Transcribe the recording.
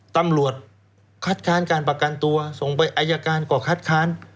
ตำรวจคัดค้านการประกันตัวส่งไปอายการก็คัดค้าน